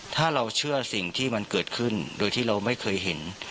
ถ้าเราเชื่อสิ่งที่มันเกิดขึ้นโดยที่เราไม่เคยเห็น